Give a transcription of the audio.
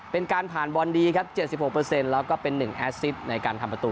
เป็นการผ่านบอลดีครับ๗๖แล้วก็เป็น๑แอสซิตในการทำประตู